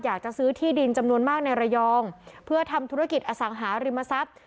อยากจะซื้อที่ดินจำนวนมากในระยองเพื่อทำธุรกิจอสังหาริมทรัพย์